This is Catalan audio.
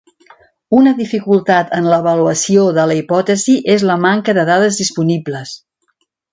Una dificultat en l'avaluació de la hipòtesi és la manca de dades disponibles.